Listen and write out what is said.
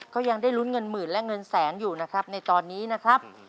ก็ยังได้ลุ้นเงินหมื่นและเงินแสนอยู่นะครับในตอนนี้นะครับ